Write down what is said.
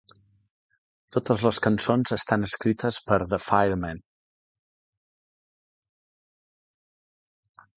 Totes les cançons estan escrites per The Fireman.